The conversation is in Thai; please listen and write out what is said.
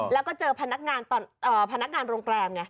แล้วก็เจอพนักงานโรงแกรม